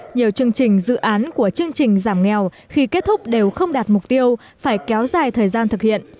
nhiều chương trình dự án của chương trình giảm nghèo khi kết thúc đều không đạt mục tiêu phải kéo dài thời gian thực hiện